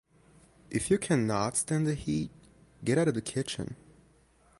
If you can not stand the heat get out of the kitchen!